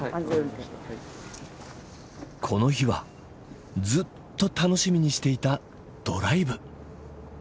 この日はずっと楽しみにしていたドライブ。